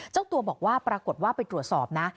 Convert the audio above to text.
เจ้าตัวบอกว่าปรากฏว่าไปตรวจสอบนะ